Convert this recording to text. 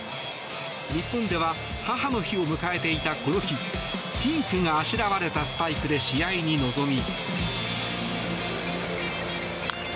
日本では母の日を迎えていたこの日ピンクがあしらわれたスパイクで試合に臨み。